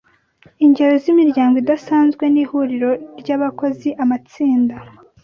Ingero zimiryango idasanzwe ni ihuriro ryabakozi amatsinda